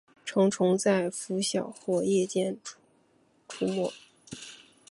成虫在拂晓或夜间出没。